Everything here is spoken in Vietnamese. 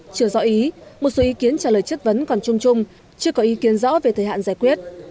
chưa rõ ý một số ý kiến trả lời chất vấn còn chung chung chưa có ý kiến rõ về thời hạn giải quyết